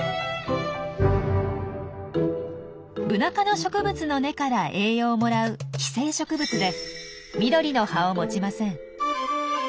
ブナ科の植物の根から栄養をもらう「寄生植物」で緑の葉を持ちません。